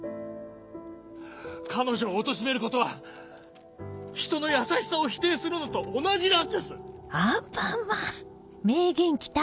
彼女をおとしめることは人の優しさを否定するのと同じなんです！